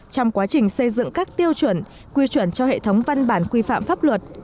trong quá trình xây dựng các tiêu chuẩn quy chuẩn cho hệ thống văn bản quy phạm pháp luật